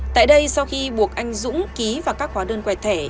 tại đây sau khi buộc anh dũng ký vào các hóa đơn quẹt thẻ